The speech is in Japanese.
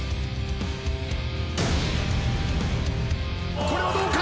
これはどうか！？